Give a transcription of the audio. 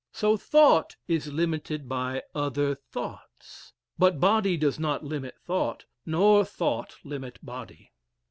So thought is limited by other thoughts. But body does not limit thought, nor thought limit body.